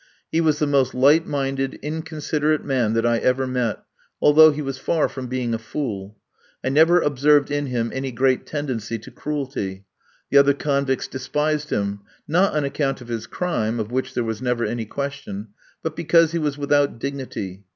He was the most light minded, inconsiderate man that I ever met, although he was far from being a fool. I never observed in him any great tendency to cruelty. The other convicts despised him, not on account of his crime, of which there was never any question, but because he was without dignity.